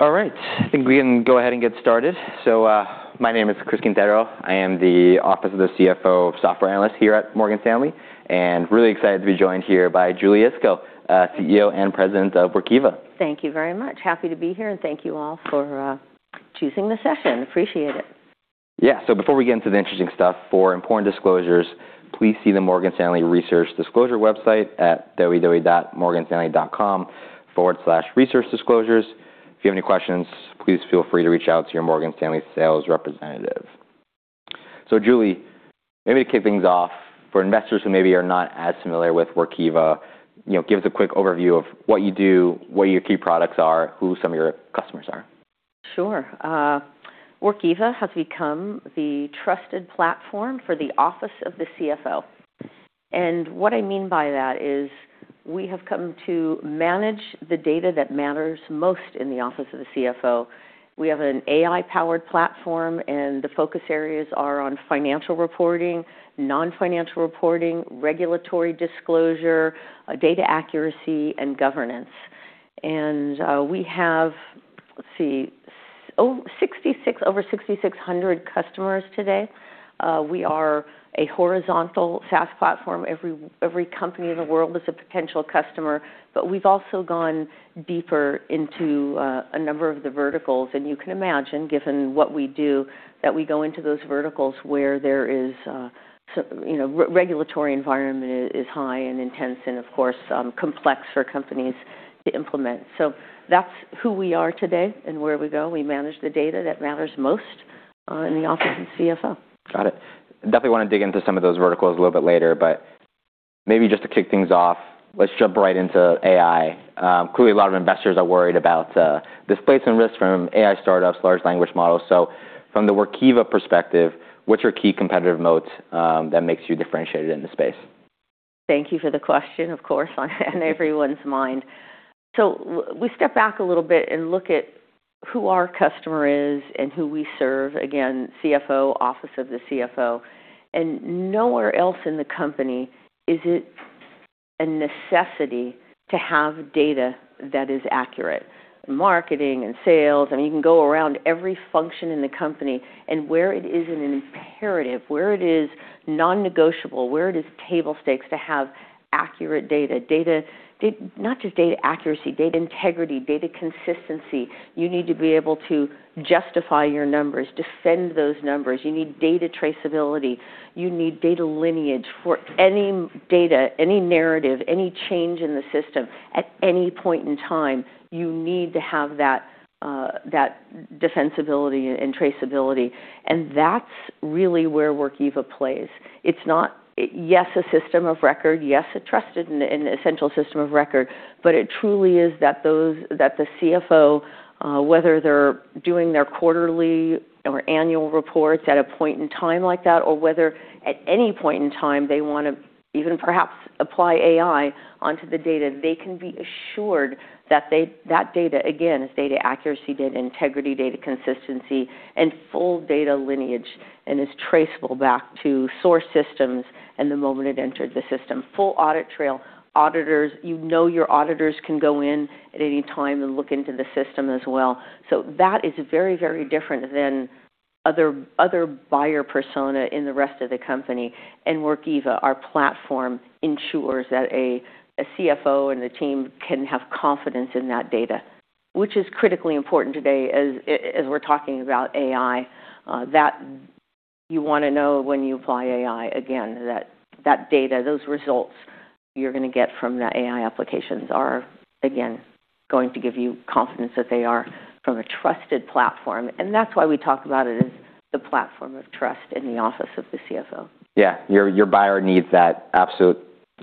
All right. I think we can go ahead and get started. My name is Chris Quintero. I am the Office of the CFO Software Analyst here at Morgan Stanley, and really excited to be joined here by Julie Iskow, CEO and President of Workiva. Thank you very much. Happy to be here, and thank you all for, choosing the session. Appreciate it. Yeah. Before we get into the interesting stuff, for important disclosures, please see the Morgan Stanley Research Disclosure website at www.morganstanley.com/researchdisclosures. If you have any questions, please feel free to reach out to your Morgan Stanley sales representative. Julie, maybe to kick things off, for investors who maybe are not as familiar with Workiva you know give us a quick overview of what you do, what your key products are, who some of your customers are. Sure. Workiva has become the trusted platform for the Office of the CFO. What I mean by that is we have come to manage the data that matters most in the Office of the CFO. We have an AI-powered platform, and the focus areas are on financial reporting, non-financial reporting, regulatory disclosure, data accuracy and governance. We have over 6,600 customers today. We are a horizontal SaaS platform. Every company in the world is a potential customer, but we've also gone deeper into a number of the verticals. You can imagine, given what we do, that we go into those verticals where there is you know regulatory environment is high and intense and, of course, complex for companies to implement. That's who we are today and where we go. We manage the data that matters most, in the Office of the CFO. Got it. Definitely wanna dig into some of those verticals a little bit later, but maybe just to kick things off, let's jump right into AI. Clearly a lot of investors are worried about displacement risk from AI startups, large language models. From the Workiva perspective, what's your key competitive modes that makes you differentiated in the space? Thank you for the question, of course, on everyone's mind. we step back a little bit and look at who our customer is and who we serve, again, CFO, Office of the CFO. Nowhere else in the company is it a necessity to have data that is accurate. Marketing and sales, I mean, you can go around every function in the company, and where it is an imperative, where it is non-negotiable, where it is table stakes to have accurate data, not just data accuracy, data integrity, data consistency. You need to be able to justify your numbers, defend those numbers. You need data traceability. You need data lineage for any data, any narrative, any change in the system at any point in time, you need to have that defensibility and traceability, and that's really where Workiva plays. It's not... Yes, a system of record, yes, a trusted and essential system of record. It truly is that the CFO, whether they're doing their quarterly or annual reports at a point in time like that, or whether at any point in time they wanna even perhaps apply AI onto the data, they can be assured that data, again, is data accuracy, data integrity, data consistency, and full data lineage, and is traceable back to source systems and the moment it entered the system. Full audit trail. You know your auditors can go in at any time and look into the system as well. That is very, very different than other buyer persona in the rest of the company. Workiva, our platform ensures that a CFO and the team can have confidence in that data, which is critically important today as we're talking about AI, that you wanna know when you apply AI, again, that data, those results you're gonna get from the AI applications are, again, going to give you confidence that they are from a trusted platform, and that's why we talk about it as the platform of trust in the Office of the CFO. Yeah. Your buyer needs that absolute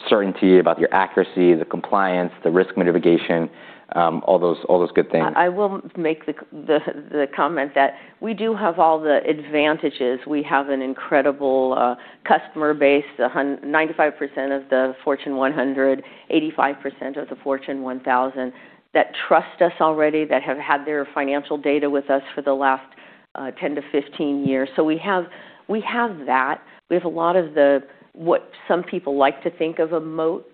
certainty about your accuracy, the compliance, the risk mitigation, all those good things. I will make the comment that we do have all the advantages. We have an incredible customer base, 95% of the Fortune 100, 85% of the Fortune 1000 that trust us already, that have had their financial data with us for the last 10-15 years. We have, we have that. We have a lot of the what some people like to think of a moat,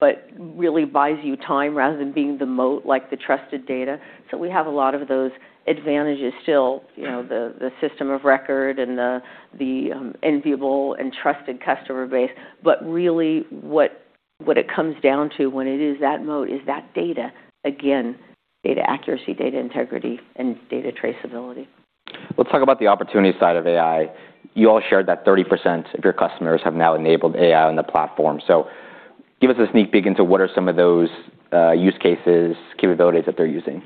but really buys you time rather than being the moat, like the trusted data. We have a lot of those advantages still you know the system of record and the enviable and trusted customer base. Really what it comes down to when it is that moat is that data, again, data accuracy, data integrity, and data traceability. Let's talk about the opportunity side of AI. You all shared that 30% of your customers have now enabled AI on the platform. Give us a sneak peek into what are some of those use cases, capabilities that they're using.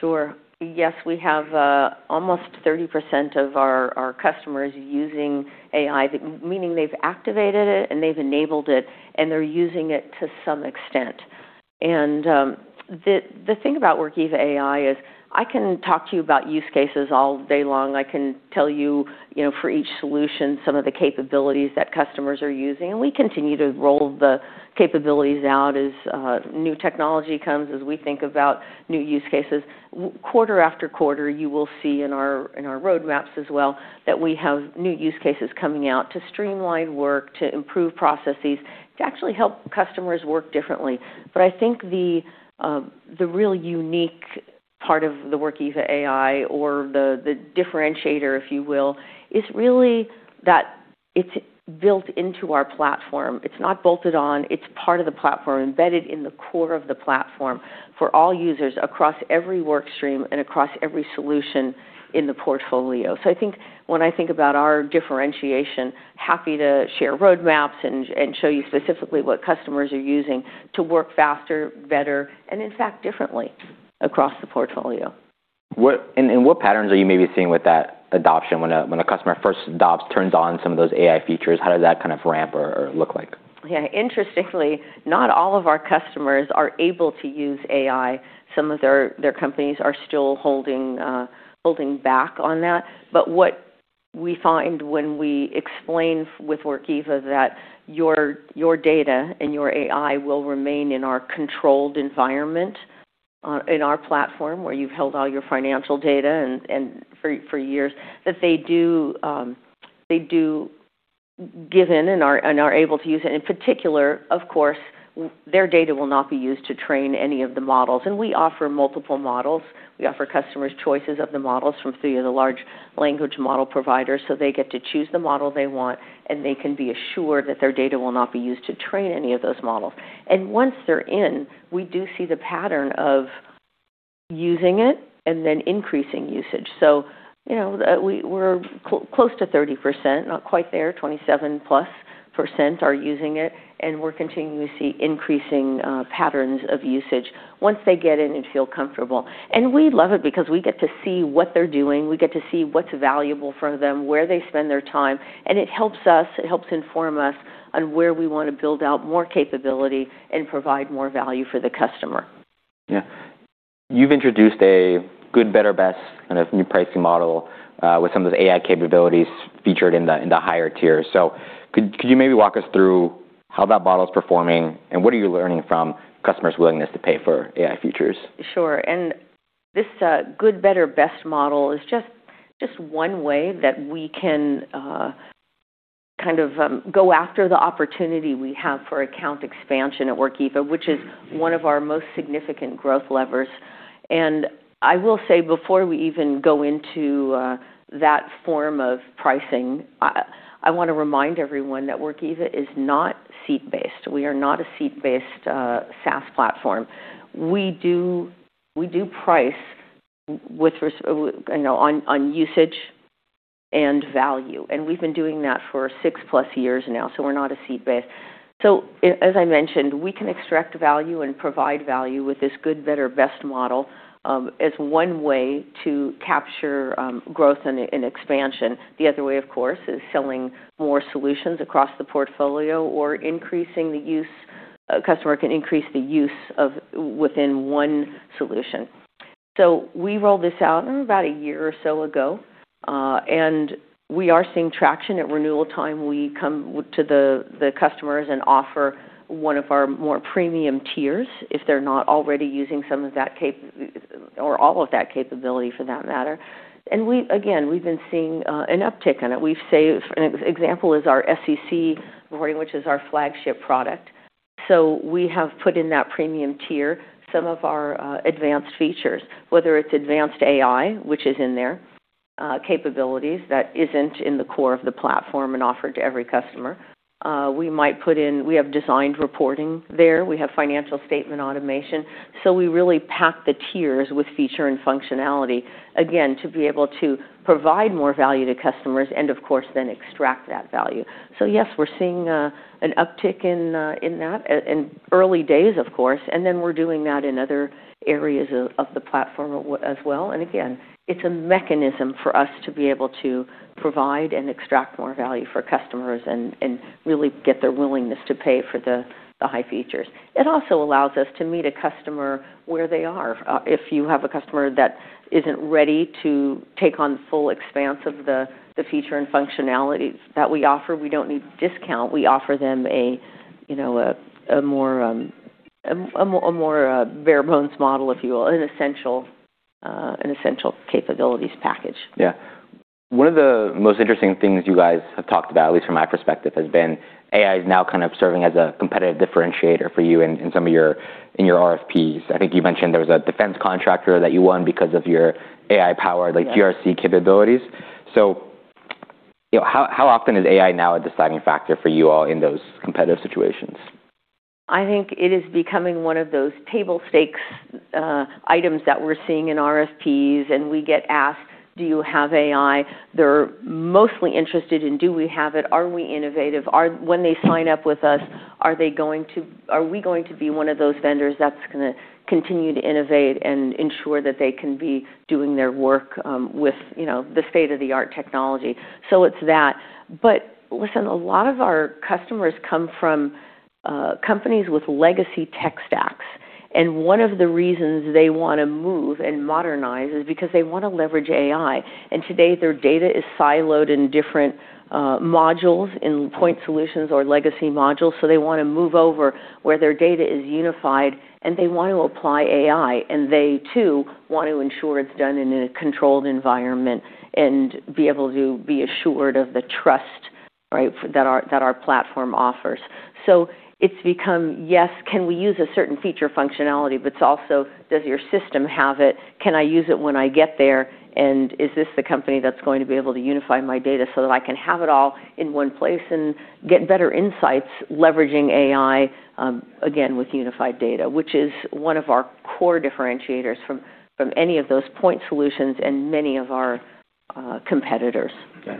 Sure. Yes, we have almost 30% of our customers using AI, meaning they've activated it, and they've enabled it, and they're using it to some extent. The thing about Workiva AI is I can talk to you about use cases all day long. I can tell you know, for each solution, some of the capabilities that customers are using. We continue to roll the capabilities out as new technology comes, as we think about new use cases. Quarter after quarter, you will see in our roadmaps as well that we have new use cases coming out to streamline work, to improve processes, to actually help customers work differently. I think the real unique part of the Workiva AI or the differentiator, if you will, is really that it's built into our platform. It's not bolted on, it's part of the platform, embedded in the core of the platform for all users across every work stream and across every solution in the portfolio. I think when I think about our differentiation, happy to share roadmaps and show you specifically what customers are using to work faster, better, and in fact, differently across the portfolio. What patterns are you maybe seeing with that adoption when a customer first adopts, turns on some of those AI features? How does that kind of ramp or look like? Yeah, interestingly, not all of our customers are able to use AI. Some of their companies are still holding back on that. What we find when we explain with Workiva that your data and your AI will remain in our controlled environment, in our platform where you've held all your financial data and for years, that they do give in and are able to use it. In particular, of course, their data will not be used to train any of the models, and we offer multiple models. We offer customers choices of the models from three of the large language model providers, so they get to choose the model they want, and they can be assured that their data will not be used to train any of those models. Once they're in, we do see the pattern of using it and then increasing usage. You know, we're close to 30%, not quite there, 27+% are using it, and we're continuing to see increasing patterns of usage once they get in and feel comfortable. We love it because we get to see what they're doing, we get to see what's valuable for them, where they spend their time, and it helps us, it helps inform us on where we wanna build out more capability and provide more value for the customer. Yeah. You've introduced a good, better, best kind of new pricing model, with some of the AI capabilities featured in the higher tier. Could you maybe walk us through how that model's performing and what are you learning from customers' willingness to pay for AI features? Sure. This good, better, best model is just one way that we can kind of go after the opportunity we have for account expansion at Workiva, which is one of our most significant growth levers. I will say before we even go into that form of pricing, I wanna remind everyone that Workiva is not seat-based. We are not a seat-based SaaS platform. We do price with you know, on usage and value, and we've been doing that for 6+ years now, so we're not a seat-based. As I mentioned, we can extract value and provide value with this good, better, best model as one way to capture growth and expansion. The other way, of course, is selling more solutions across the portfolio or a customer can increase the use of within one solution. We rolled this out about one year or so ago, we are seeing traction. At renewal time, we come to the customers and offer one of our more premium tiers if they're not already using some of that or all of that capability for that matter. Again, we've been seeing an uptick in it. We've saved... An example is our SEC Reporting, which is our flagship product. We have put in that premium tier some of our advanced features, whether it's advanced AI, which is in there, capabilities that isn't in the core of the platform and offered to every customer. We might put in... We have Designed Reporting there. We have Financial Statement Automation, so we really pack the tiers with feature and functionality, again, to be able to provide more value to customers and of course then extract that value. Yes, we're seeing an uptick in that in early days of course, and then we're doing that in other areas of the platform as well. Again, it's a mechanism for us to be able to provide and extract more value for customers and really get their willingness to pay for the high features. It also allows us to meet a customer where they are. If you have a customer that isn't ready to take on the full expanse of the feature and functionalities that we offer, we don't need to discount. We offer them a you know a more, bare bones model if you will, an essential capabilities package. One of the most interesting things you guys have talked about, at least from my perspective, has been AI is now kind of serving as a competitive differentiator for you in your RFPs. I think you mentioned there was a defense contractor that you won because of your AI powered. Yes... GRC capabilities. You know, how often is AI now a deciding factor for you all in those competitive situations? I think it is becoming one of those table stakes, items that we're seeing in RFPs, and we get asked, "Do you have AI?" They're mostly interested in do we have it, are we innovative, when they sign up with us, are we going to be one of those vendors that's gonna continue to innovate and ensure that they can be doing their work, with you know the state-of-the-art technology. It's that. Listen, a lot of our customers come from, companies with legacy tech stacks, and one of the reasons they wanna move and modernize is because they wanna leverage AI. Today, their data is siloed in different modules, in point solutions or legacy modules. They wanna move over where their data is unified and they want to apply AI. They too want to ensure it's done in a controlled environment and be able to be assured of the trust that our platform offers. It's become, yes, can we use a certain feature functionality, but it's also does your system have it? Can I use it when I get there? Is this the company that's going to be able to unify my data so that I can have it all in one place and get better insights leveraging AI, again, with unified data, which is one of our core differentiators from any of those point solutions and many of our competitors. Okay.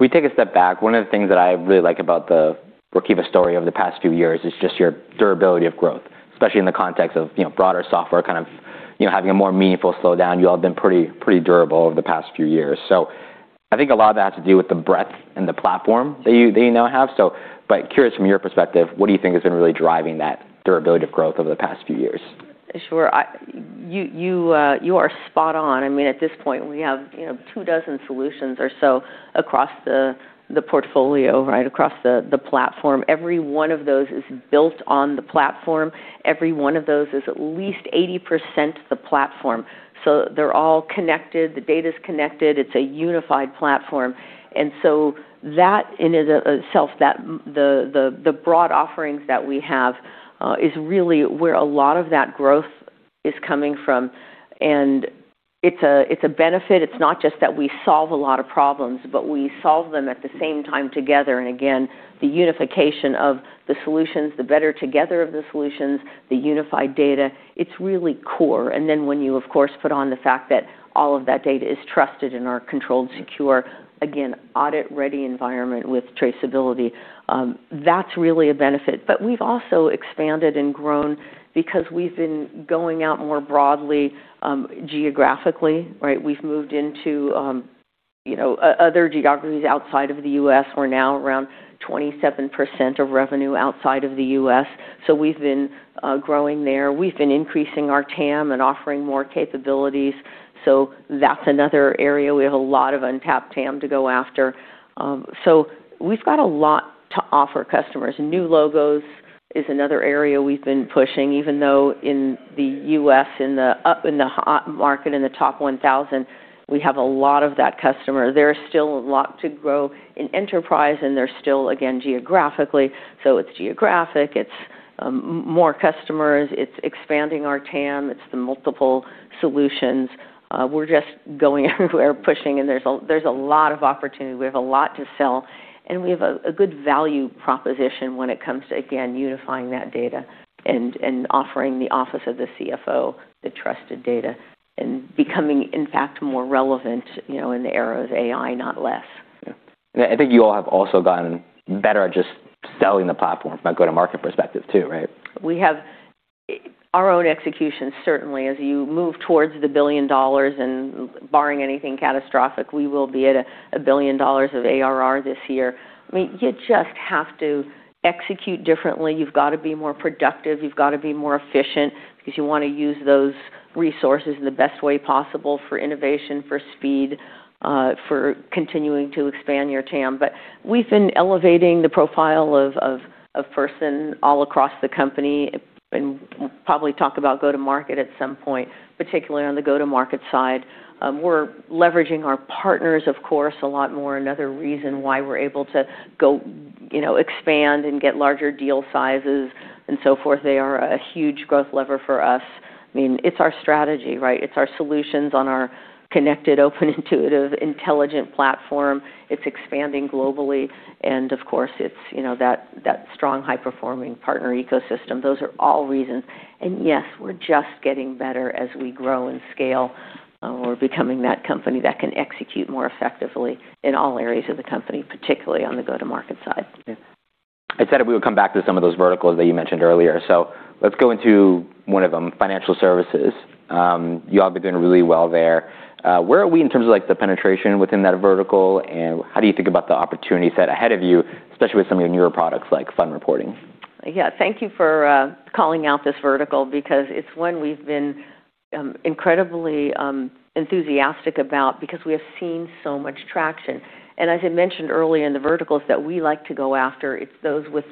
We take a step back. One of the things that I really like about the Workiva story over the past few years is just your durability of growth, especially in the context of you know broader software, kind of you know having a more meaningful slowdown. You all have been pretty durable over the past few years. I think a lot of that has to do with the breadth and the platform that you now have. Curious from your perspective, what do you think has been really driving that durability of growth over the past few years? Sure. You, you are spot on. I mean, at this point, we have you know two dozen solutions or so across the portfolio, right across the platform. Every one of those is built on the platform. Every one of those is at least 80% the platform. They're all connected. The data's connected. It's a unified platform. That in it of itself, that the broad offerings that we have, is really where a lot of that growth is coming from. It's a, it's a benefit. It's not just that we solve a lot of problems, but we solve them at the same time together. Again, the unification of the solutions, the better together of the solutions, the unified data, it's really core. When you, of course, put on the fact that all of that data is trusted and are controlled, secure, again, audit-ready environment with traceability, that's really a benefit. We've also expanded and grown because we've been going out more broadly, geographically, right? We've moved into you know other geographies outside of the U.S. We're now around 27% of revenue outside of the U.S. We've been growing there. We've been increasing our TAM and offering more capabilities. That's another area. We have a lot of untapped TAM to go after. We've got a lot to offer customers. New logos is another area we've been pushing, even though in the U.S., in the hot market, in the top 1,000, we have a lot of that customer. There is still a lot to grow in enterprise, and there's still, again, geographically. It's geographic, it's more customers, it's expanding our TAM, it's the multiple solutions. We're just going everywhere, pushing, and there's a lot of opportunity. We have a lot to sell. We have a good value proposition when it comes to, again, unifying that data and offering the Office of the CFO the trusted data and becoming, in fact, more relevant you know in the era of AI, not less. Yeah. I think you all have also gotten better at just selling the platform from a go-to-market perspective too, right? We have our own execution, certainly, as you move towards the $1 billion. Barring anything catastrophic, we will be at $1 billion of ARR this year. I mean, you just have to execute differently. You've got to be more productive. You've got to be more efficient because you wanna use those resources in the best way possible for innovation, for speed, for continuing to expand your TAM. We've been elevating the profile of person all across the company, and we'll probably talk about go-to-market at some point, particularly on the go-to-market side. We're leveraging our partners, of course, a lot more. Another reason why we're able to go you know expand and get larger deal sizes and so forth. They are a huge growth lever for us. I mean, it's our strategy, right? It's our solutions on our connected, open, intuitive, intelligent platform. It's expanding globally. Of course, it's you know that strong, high-performing partner ecosystem. Those are all reasons. Yes, we're just getting better as we grow and scale. We're becoming that company that can execute more effectively in all areas of the company, particularly on the go-to-market side. Yeah. I said we would come back to some of those verticals that you mentioned earlier. Let's go into one of them, financial services. You all have been doing really well there. Where are we in terms of, like, the penetration within that vertical? How do you think about the opportunity set ahead of you, especially with some of your newer products like Fund Reporting? Yeah. Thank you for calling out this vertical because it's one we've been incredibly enthusiastic about because we have seen so much traction. As I mentioned earlier in the verticals that we like to go after, it's those with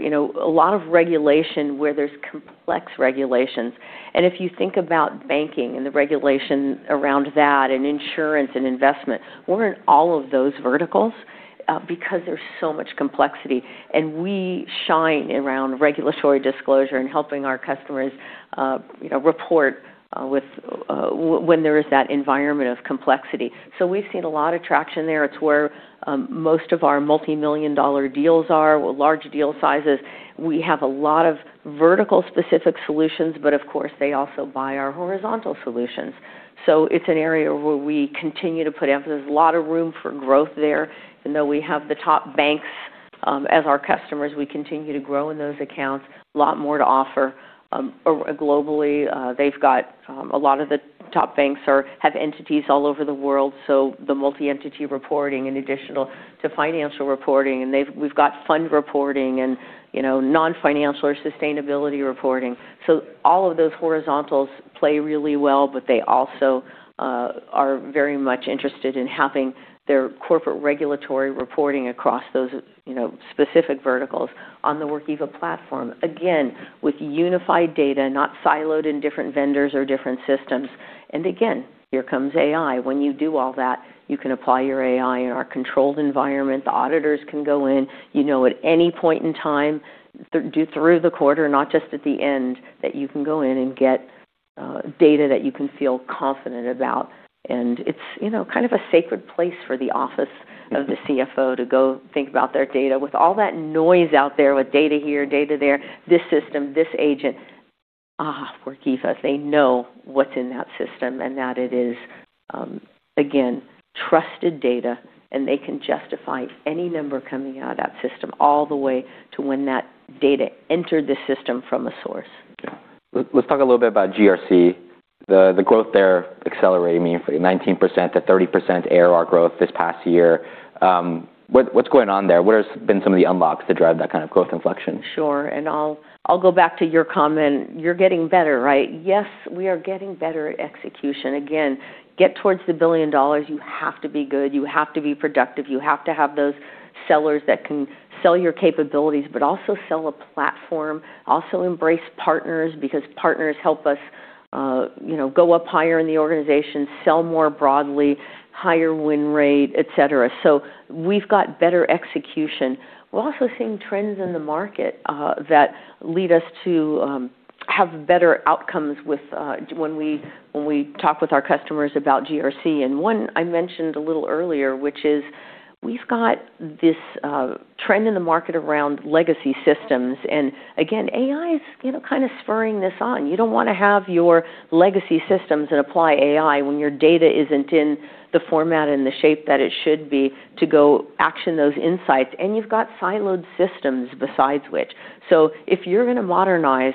you know a lot of regulation where there's complex regulations. If you think about banking and the regulation around that and insurance and investment, we're in all of those verticals because there's so much complexity, and we shine around regulatory disclosure and helping our customers you know report with when there is that environment of complexity. We've seen a lot of traction there. It's where most of our multimillion-dollar deals are with large deal sizes. We have a lot of vertical specific solutions, but of course, they also buy our horizontal solutions. It's an area where we continue to put emphasis. There's a lot of room for growth there. Even though we have the top banks, as our customers, we continue to grow in those accounts. A lot more to offer. Globally, they've got a lot of the top banks have entities all over the world, so the multi-entity reporting in additional to financial reporting, and we've got Fund Reporting and you know non-financial or sustainability reporting. All of those horizontals play really well, but they also are very much interested in having their Corporate Regulatory Reporting across those you know specific verticals on the Workiva platform, again, with unified data, not siloed in different vendors or different systems. Again, here comes AI. When you do all that, you can apply your AI in our controlled environment. The auditors can go in you know at any point in time through the quarter, not just at the end, that you can go in and get data that you can feel confident about. It's you know kind of a sacred place for the Office of the CFO to go think about their data with all that noise out there, with data here, data there, this system, this agent. Workiva, they know what's in that system, and that it is again trusted data, and they can justify any number coming out of that system all the way to when that data entered the system from a source. Okay. Let's talk a little bit about GRC. The growth there accelerating meaningfully, 19%-30% ARR growth this past year. What's going on there? What has been some of the unlocks to drive that kind of growth inflection? Sure. I'll go back to your comment. You're getting better, right? Yes, we are getting better at execution. Again, get towards the $1 billion, you have to be good, you have to be productive, you have to have those sellers that can sell your capabilities, but also sell a platform, also embrace partners because partners help us you know go up higher in the organization, sell more broadly, higher win rate, et cetera. We've got better execution. We're also seeing trends in the market that lead us to have better outcomes with when we talk with our customers about GRC. One I mentioned a little earlier, which is we've got this trend in the market around legacy systems. Again, AI is you know kind of spurring this on. You don't wanna have your legacy systems and apply AI when your data isn't in the format and the shape that it should be to go action those insights. You've got siloed systems besides which. If you're gonna modernize,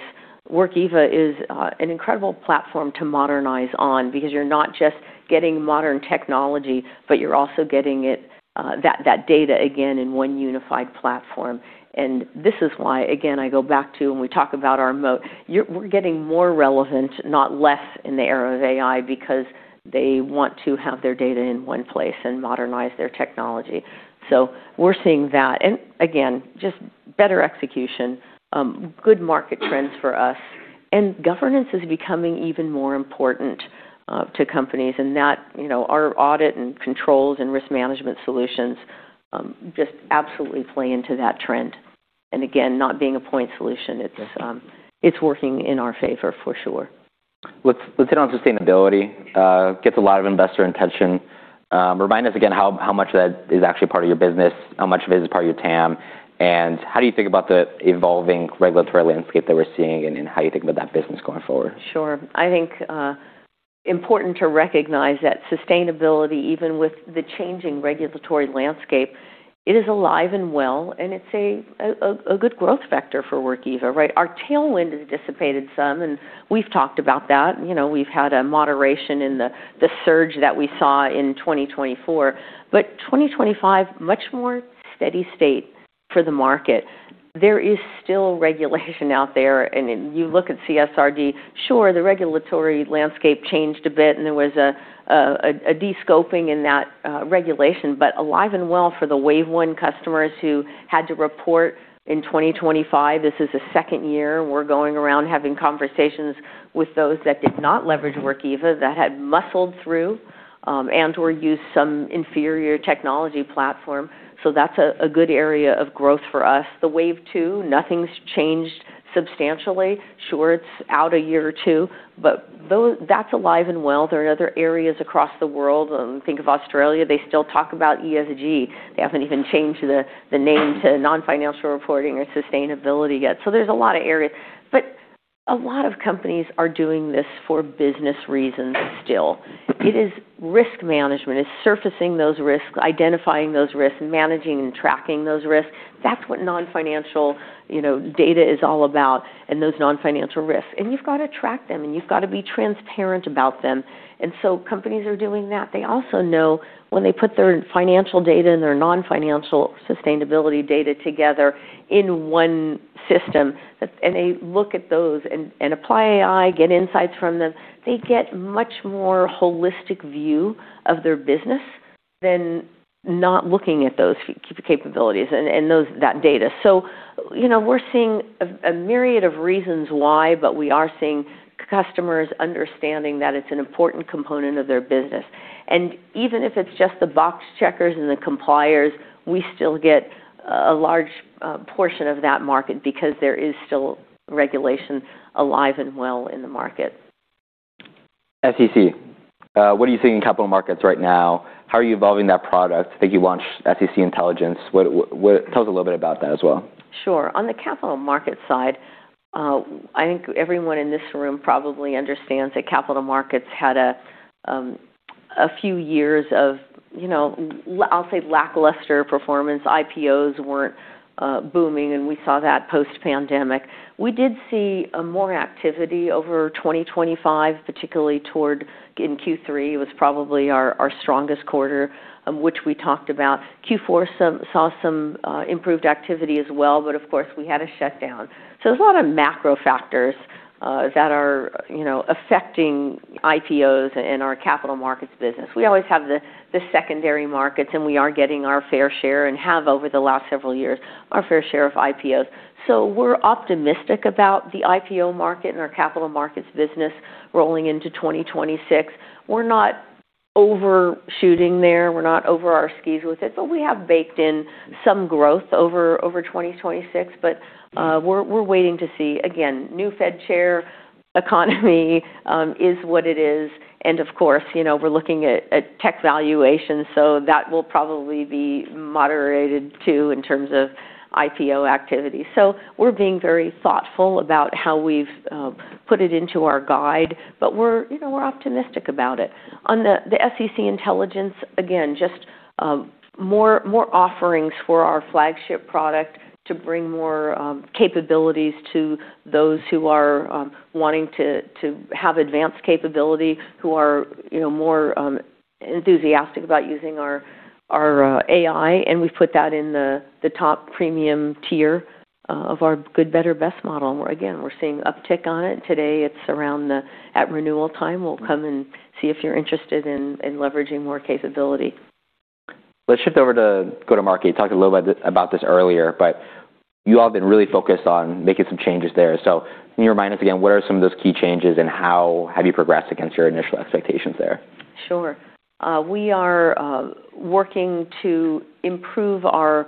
Workiva is an incredible platform to modernize on because you're not just getting modern technology, but you're also getting it that data again in one unified platform. This is why, again, I go back to when we talk about our moat. We're getting more relevant, not less in the era of AI because they want to have their data in one place and modernize their technology. We're seeing that. Again, just better execution, good market trends for us. Governance is becoming even more important to companies. That you know our audit and controls and risk management solutions, just absolutely play into that trend. Again, not being a point solution, it's working in our favor for sure. Let's hit on sustainability. Gets a lot of investor attention. Remind us again how much of that is actually part of your business, how much of it is part of your TAM, and how do you think about the evolving regulatory landscape that we're seeing and how you think about that business going forward? Sure. I think important to recognize that sustainability, even with the changing regulatory landscape, it is alive and well, and it's a good growth factor for Workiva, right? Our tailwind has dissipated some. We've talked about that. You know, we've had a moderation in the surge that we saw in 2024. 2025, much more steady state for the market. There is still regulation out there. You look at CSRD, sure, the regulatory landscape changed a bit, and there was a de-scoping in that regulation, but alive and well for the wave one customers who had to report in 2025. This is the second year we're going around having conversations with those that did not leverage Workiva, that had muscled through and/or used some inferior technology platform. That's a good area of growth for us. The wave two, nothing's changed substantially. Sure, it's out a year or two, but that's alive and well. There are other areas across the world. Think of Australia, they still talk about ESG. They haven't even changed the name to non-financial reporting or sustainability yet. There's a lot of areas. A lot of companies are doing this for business reasons still. It is Risk Management. It's surfacing those risks, identifying those risks, managing and tracking those risks. That's what non-financial you know data is all about, and those non-financial risks. You've got to track them, and you've got to be transparent about them. Companies are doing that. They also know when they put their financial data and their non-financial sustainability data together in one system, and they look at those and apply AI, get insights from them, they get much more holistic view of their business than not looking at those capabilities and that data. You know, we're seeing a myriad of reasons why, but we are seeing customers understanding that it's an important component of their business. Even if it's just the box checkers and the compliers, we still get a large portion of that market because there is still regulation alive and well in the market. SEC. What are you seeing in capital markets right now? How are you evolving that product? I think you launched SEC Intelligence. Tell us a little bit about that as well? Sure. On the capital markets side, I think everyone in this room probably understands that capital markets had a few years of you know I'll say lackluster performance. IPOs weren't booming. We saw that post-pandemic. We did see more activity over 2025, particularly toward in Q3. It was probably our strongest quarter, which we talked about. Q4 saw some improved activity as well. Of course, we had a shutdown. There's a lot of macro factors that are you know affecting IPOs and our capital markets business. We always have the secondary markets, and we are getting our fair share and have over the last several years, our fair share of IPOs. We're optimistic about the IPO market and our capital markets business rolling into 2026. We're not overshooting there. We're not over our skis with it, we have baked in some growth over 2026. We're waiting to see, again, new Fed chair economy is what it is. Of course you know we're looking at tech valuation, so that will probably be moderated too in terms of IPO activity. We're being very thoughtful about how we've put it into our guide, but we're you know we're optimistic about it. On the SEC Intelligence, again, just more offerings for our flagship product to bring more capabilities to those who are wanting to have advanced capability, who are you know more enthusiastic about using our AI. We've put that in the top premium tier of our good, better, best model. We're again seeing uptick on it today. It's around at renewal time. We'll come and see if you're interested in leveraging more capability. Let's shift over to go-to-market. You talked a little bit about this earlier, but you all have been really focused on making some changes there. Can you remind us again, what are some of those key changes, and how have you progressed against your initial expectations there? Sure. We are working to improve our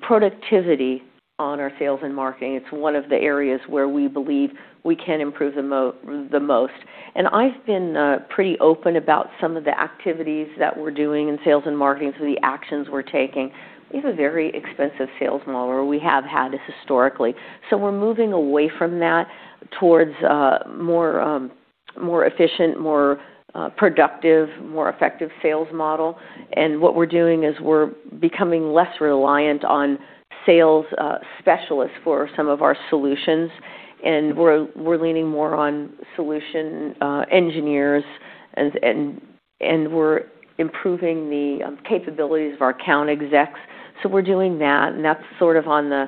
productivity on our sales and marketing. It's one of the areas where we believe we can improve the most. I've been pretty open about some of the activities that we're doing in sales and marketing, so the actions we're taking. We have a very expensive sales model, or we have had this historically. We're moving away from that towards a more efficient, more productive, more effective sales model. What we're doing is we're becoming less reliant on sales specialists for some of our solutions. We're leaning more on solution engineers and we're improving the capabilities of our account execs. We're doing that, and that's sort of on the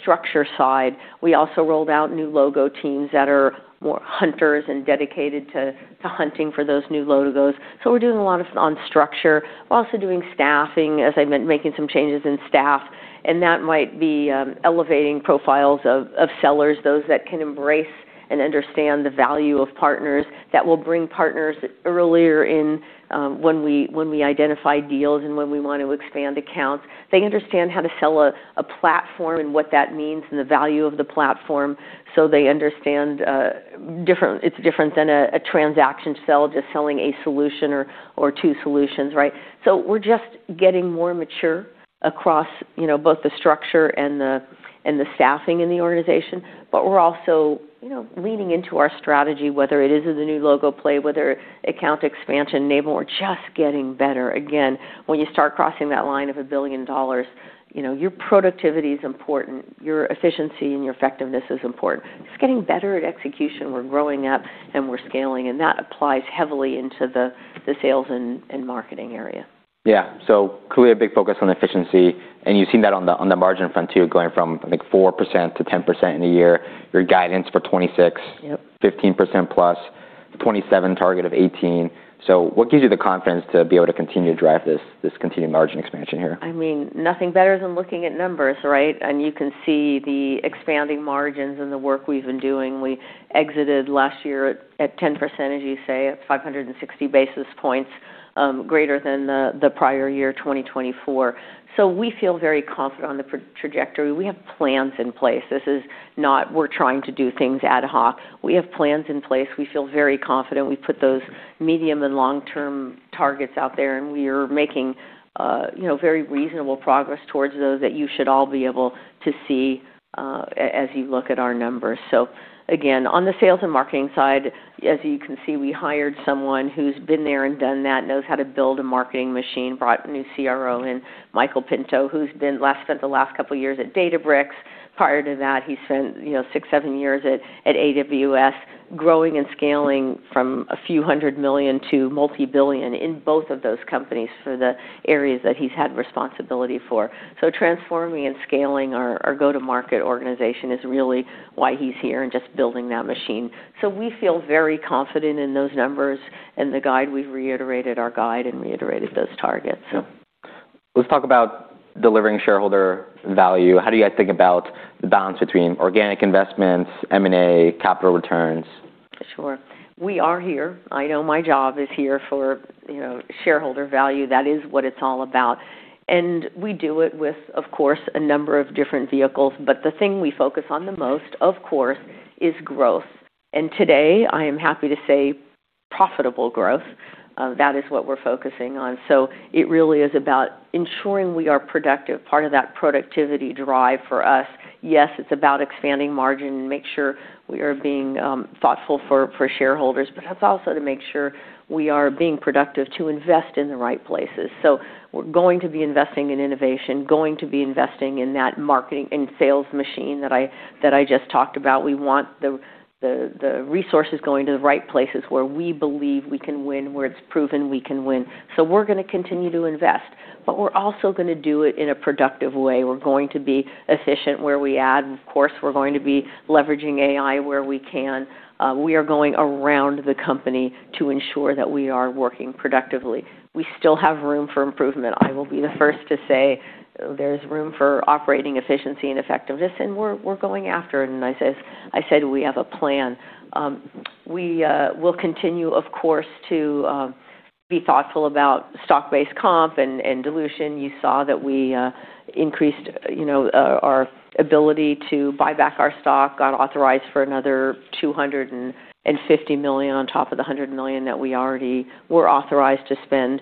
structure side. We also rolled out new logo teams that are more hunters and dedicated to hunting for those new logos. We're doing a lot of on structure. We're also doing staffing, making some changes in staff, and that might be elevating profiles of sellers, those that can embrace and understand the value of partners, that will bring partners earlier in when we identify deals and when we want to expand accounts. They understand how to sell a platform and what that means and the value of the platform. They understand it's different than a transaction sell, just selling a solution or two solutions, right? We're just getting more mature across you know both the structure and the staffing in the organization. We're also you know leaning into our strategy, whether it is in the new logo play, whether account expansion enable. We're just getting better. Again, when you start crossing that line of $1 billion you know your productivity is important. Your efficiency and your effectiveness is important. It's getting better at execution. We're growing up, and we're scaling, and that applies heavily into the sales and marketing area. Yeah. Clearly a big focus on efficiency, and you've seen that on the, on the margin front too, going from, I think, 4%-10% in a year. Your guidance for 26-. Yep. 15% plus. The 27% target of 18%. What gives you the confidence to be able to continue to drive this continued margin expansion here? I mean, nothing better than looking at numbers, right? You can see the expanding margins and the work we've been doing. We exited last year at 10%, as you say, at 560 basis points greater than the prior year, 2024. We feel very confident on the trajectory. We have plans in place. This is not we're trying to do things ad hoc. We have plans in place. We feel very confident. We put those medium and long-term targets out there, we are making you know very reasonable progress towards those that you should all be able to see, as you look at our numbers. Again, on the sales and marketing side, as you can see, we hired someone who's been there and done that, knows how to build a marketing machine, brought a new CRO in, Michael Pinto, who's spent the last couple years at Databricks. Prior to that, he spent you know six, seven years at AWS growing and scaling from a few hundred million to multi-billion in both of those companies for the areas that he's had responsibility for. Transforming and scaling our go-to-market organization is really why he's here and just building that machine. We feel very confident in those numbers and the guide. We've reiterated our guide and reiterated those targets. Let's talk about delivering shareholder value. How do you guys think about the balance between organic investments, M&A, capital returns? Sure. We are here. I know my job is here for you know shareholder value. That is what it's all about. We do it with, of course, a number of different vehicles. The thing we focus on the most, of course, is growth. Today, I am happy to say profitable growth. That is what we're focusing on. It really is about ensuring we are productive. Part of that productivity drive for us, yes, it's about expanding margin and make sure we are being thoughtful for shareholders, but it's also to make sure we are being productive to invest in the right places. We're going to be investing in innovation, going to be investing in that marketing and sales machine that I just talked about. We want the resources going to the right places where we believe we can win, where it's proven we can win. We're gonna continue to invest, but we're also gonna do it in a productive way. We're going to be efficient where we add. Of course, we're going to be leveraging AI where we can. We are going around the company to ensure that we are working productively. We still have room for improvement. I will be the first to say there's room for operating efficiency and effectiveness, and we're going after it. As I said, we have a plan. We will continue, of course, to be thoughtful about stock-based compensation and dilution. You saw that we increased you know our ability to buy back our stock, got authorized for another $250 million on top of the $100 million that we already were authorized to spend.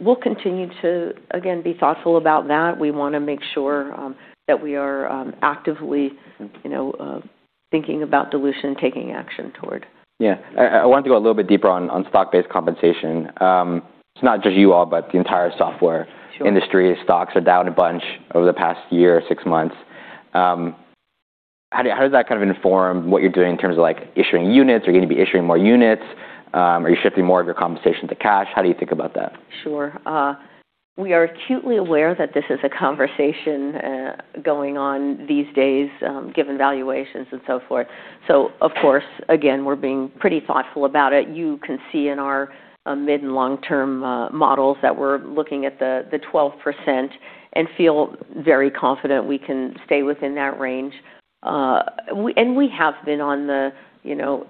We'll continue to, again, be thoughtful about that. We wanna make sure that we are actively you know thinking about dilution and taking action toward. Yeah. I wanted to go a little bit deeper on stock-based compensation. It's not just you all, but the entire software- Sure. industry stocks are down a bunch over the past year, six months. How does that kind of inform what you're doing in terms of, like, issuing units? Are you gonna be issuing more units? Are you shifting more of your compensation to cash? How do you think about that? Sure. We are acutely aware that this is a conversation going on these days, given valuations and so forth. Of course, again, we're being pretty thoughtful about it. You can see in our mid and long-term models that we're looking at the 12% and feel very confident we can stay within that range. We have been on the you know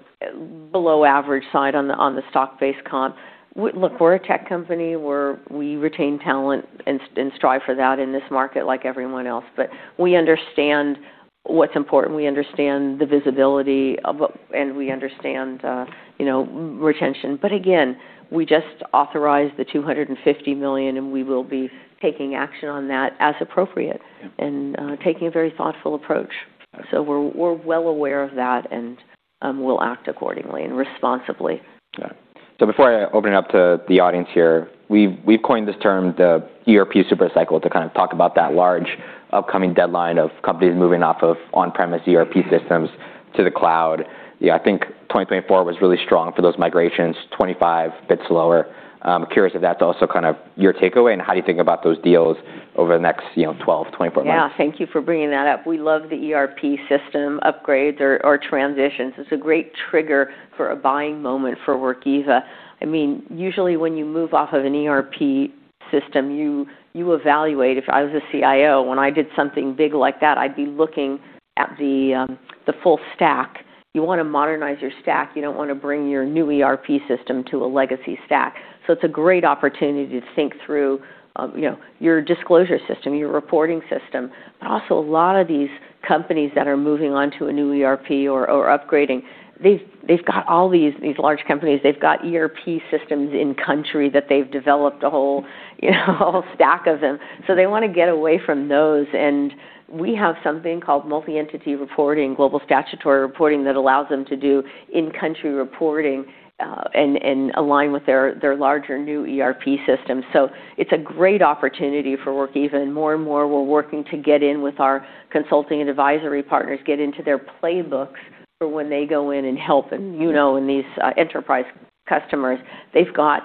below average side on the stock-based compensation. Look, we're a tech company. We retain talent and strive for that in this market like everyone else. We understand what's important. We understand the visibility of a. We understand you know, retention. Again, we just authorized the $250 million, and we will be taking action on that as appropriate. Yeah. taking a very thoughtful approach. Got it. We're well aware of that and, we'll act accordingly and responsibly. Got it. Before I open it up to the audience here, we've coined this term the ERP super cycle to kind of talk about that large upcoming deadline of companies moving off of on-premise ERP systems to the cloud. Yeah, I think 2024 was really strong for those migrations. 2025, a bit slower. I'm curious if that's also kind of your takeaway, and how do you think about those deals over the next you know 12, 24 months? thank you for bringing that up. We love the ERP system upgrades or transitions. It's a great trigger for a buying moment for Workiva. I mean, usually when you move off of an ERP system, you evaluate. If I was a CIO, when I did something big like that, I'd be looking at the full stack. You wanna modernize your stack. You don't wanna bring your new ERP system to a legacy stack. It's a great opportunity to think through you know your disclosure system, your reporting system. Also a lot of these companies that are moving onto a new ERP or upgrading, they've got all these large companies. They've got ERP systems in country that they've developed a whole you know a whole stack of them. They wanna get away from those. We have something called Multi-Entity Reporting, Global Statutory Reporting, that allows them to do in-country reporting, and align with their larger new ERP system. It's a great opportunity for Workiva, and more and more we're working to get in with our consulting and advisory partners, get into their playbooks for when they go in and help them. You know, these enterprise customers, they've got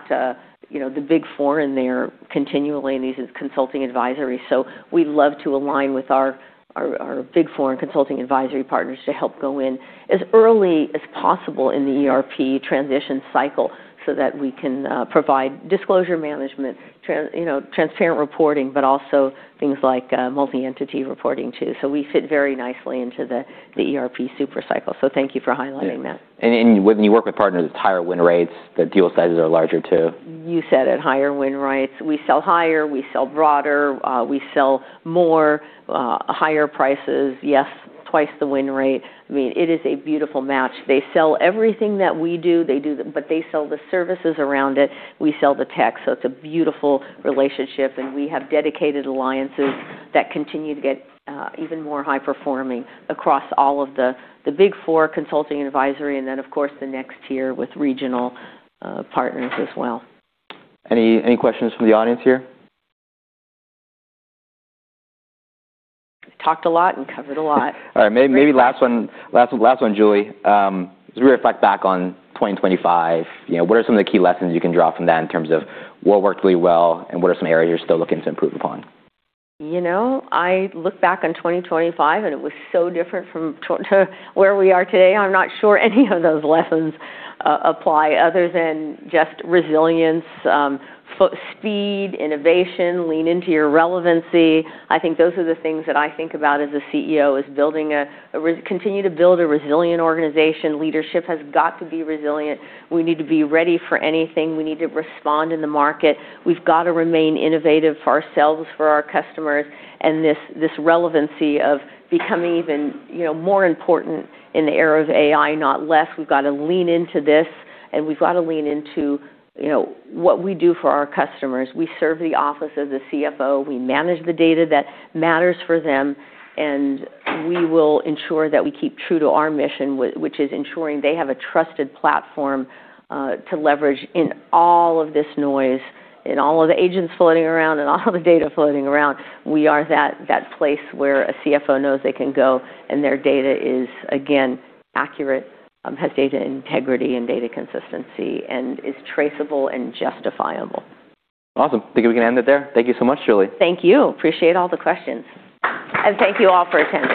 you know the Big Four in there continually in these consulting advisories. We love to align with our Big Four and consulting advisory partners to help go in as early as possible in the ERP transition cycle so that we can provide disclosure management you know transparent reporting, but also things like Multi-Entity Reporting too. We fit very nicely into the ERP super cycle. Thank you for highlighting that. Yeah. When you work with partners, it's higher win rates. The deal sizes are larger too. You said it, higher win rates. We sell higher, we sell broader, we sell more, higher prices. Yes, twice the win rate. I mean, it is a beautiful match. They sell everything that we do. They sell the services around it, we sell the tech. It's a beautiful relationship, and we have dedicated alliances that continue to get even more high performing across all of the Big Four consulting advisory, and then of course the next tier with regional partners as well. Any questions from the audience here? Talked a lot and covered a lot. All right. Maybe last one, Julie. As we reflect back on 2025 you know what are some of the key lessons you can draw from that in terms of what worked really well, and what are some areas you're still looking to improve upon? You know, I look back on 2025, it was so different to where we are today. I'm not sure any of those lessons apply other than just resilience, speed, innovation, lean into your relevancy. I think those are the things that I think about as a CEO, is continue to build a resilient organization. Leadership has got to be resilient. We need to be ready for anything. We need to respond in the market. We've got to remain innovative for ourselves, for our customers, this relevancy of becoming even you know more important in the era of AI, not less. We've got to lean into this, we've got to lean into you know what we do for our customers. We serve the office as a CFO. We manage the data that matters for them, and we will ensure that we keep true to our mission, which is ensuring they have a trusted platform to leverage in all of this noise, in all of the agents floating around, and all the data floating around. We are that place where a CFO knows they can go and their data is, again, accurate, has data integrity and data consistency and is traceable and justifiable. Awesome. Think we can end it there. Thank you so much, Julie. Thank you. Appreciate all the questions. Thank you all for attending.